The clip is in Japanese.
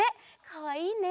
かわいいね。